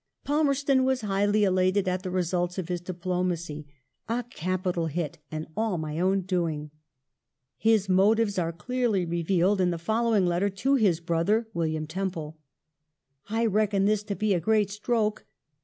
Pal merston was highly elated at the results of his diplomacy :" a capital hit and all my own doing ". His motives are clearly re vealed in the following letter to his brother, William Temple :I reckon this to be a great stroke.